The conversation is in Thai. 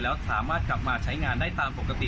แล้วสามารถกลับมาใช้งานได้ตามปกติ